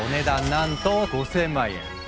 なんと５，０００万円。